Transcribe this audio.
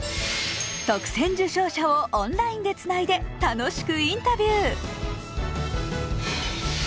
特選受賞者をオンラインでつないで楽しくインタビュー。